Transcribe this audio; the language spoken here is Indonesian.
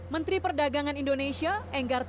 menteri perdagangan indonesia enggar